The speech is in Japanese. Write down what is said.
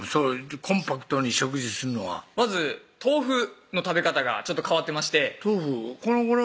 コンパクトに食事するのはまず豆腐の食べ方がちょっと変わってまして豆腐このごろ